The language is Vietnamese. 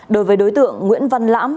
đối với đối tượng nguyễn văn lãm